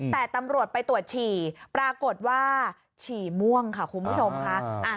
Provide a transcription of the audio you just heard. แต่ตำรวจไปตรวจฉี่ปรากฏว่าฉี่ม่วงค่ะคุณผู้ชมค่ะ